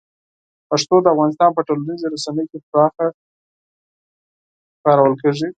پښتو د افغانستان په ټولنیزو رسنیو کې پراخه کارول کېږي.